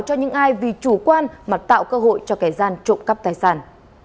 cho những ai vì chủ quan mà tạo cơ hội cho kẻ gian trộm cắp tài sản